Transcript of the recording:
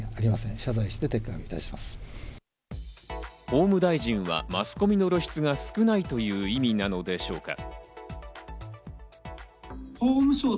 法務大臣はマスコミの露出が少ないという意味なのでしょうか？